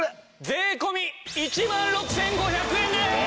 税込１万６５００円です。